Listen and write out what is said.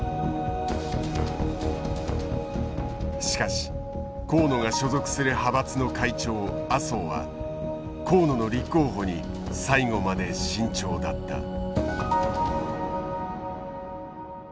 しかし河野が所属する派閥の会長麻生は河野の立候補に最後まで慎重だった。